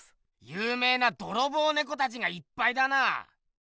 ゆうめいなドロボウネコたちがいっぱいだな。